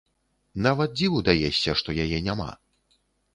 Нават дзіву даешся, што яе няма.